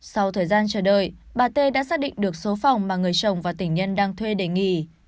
sau thời gian chờ đợi bà tê đã xác định được số phòng mà người chồng và tỉnh nhân đang thuê để nghỉ